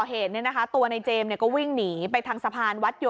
เหตุเนี่ยนะคะตัวในเจมส์ก็วิ่งหนีไปทางสะพานวัดโย